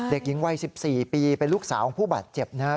เด็กหญิงวัย๑๔ปีเป็นลูกสาวของผู้บาดเจ็บนะครับ